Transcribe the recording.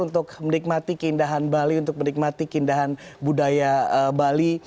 untuk menikmati keindahan bali untuk menikmati keindahan budaya bali